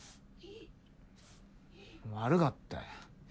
悪かったよ。